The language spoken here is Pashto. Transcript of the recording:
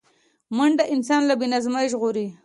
منډه انسان له بې نظمۍ ژغوري